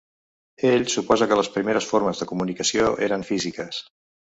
Ell suposa que les primeres formes de comunicació eren físiques.